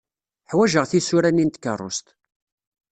Ḥwajeɣ tisura-nni n tkeṛṛust.